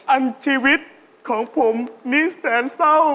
อันชีวิตของผมนี้แสนเศร้า